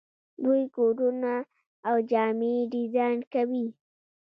دوی کورونه او جامې ډیزاین کوي.